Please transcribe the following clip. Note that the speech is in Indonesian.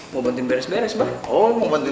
mau bantuin beres beres mbah